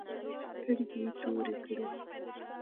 سترگې يې تورې کړې.